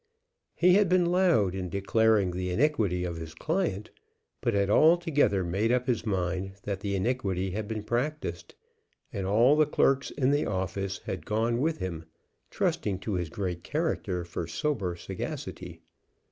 He had been loud in declaring the iniquity of his client, but had altogether made up his mind that the iniquity had been practised; and all the clerks in the office had gone with him, trusting to his great character for sober sagacity.